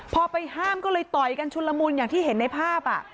พอไปห้ามก็เลยต่อยกันชุนละมุนอย่างที่เห็นในภาพ